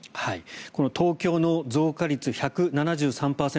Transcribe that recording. この東京の増加率１７３％。